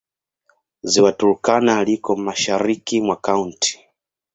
Ziwa Turkana liko mashariki mwa kaunti.